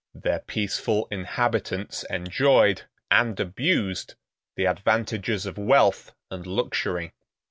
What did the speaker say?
Their peaceful inhabitants enjoyed and abused the advantages of wealth and luxury.